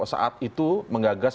saat itu mengagas